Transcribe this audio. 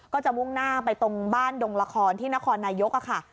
ก็จะมุ่งหน้าไปตรงบ้านดงละครที่นครนายกค่ะ